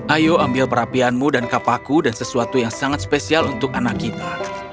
ayo ambil perapianmu dan kapaku dan sesuatu yang sangat spesial untuk anak kita